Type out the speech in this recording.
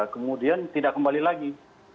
kemudian tidak kembali lagi